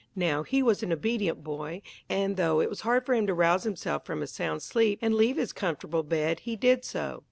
Now he was an obedient boy, and though it was hard for him to rouse himself from a sound sleep and leave his comfortable bed he did so.